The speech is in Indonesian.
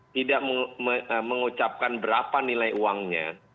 tidak mengucapkan berapa nilai uangnya